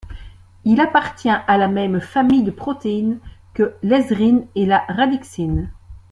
Il appartient à la même famille de protéines que l'ezrine et la radixine.